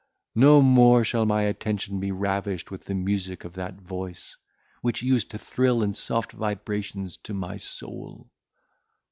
no more shall my attention be ravished with the music of that voice, which used to thrill in soft vibrations to my soul!